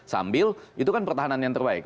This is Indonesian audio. sambil itu kan pertahanan yang terbaik